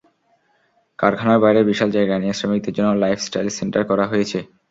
কারখানার বাইরে বিশাল জায়গা নিয়ে শ্রমিকদের জন্য লাইফস্টাইল সেন্টার করা হয়েছে।